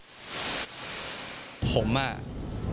เพราะว่ามีศิลปินดังมาร่วมร้องเพลงรักกับหนูโตหลายคนเลยค่ะ